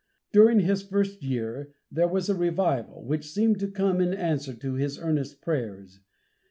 During his first year there was a revival, which seemed to come in answer to his earnest prayers.